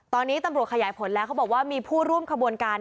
ตอนนี้ตำรวจขยายผลแล้วเขาบอกว่ามีผู้ร่วมขบวนการ